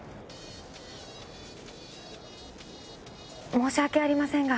申し訳ありませんが